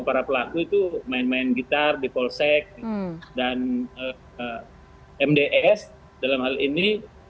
para pelaku itu main main gitar di polsek dan mds dalam hal ini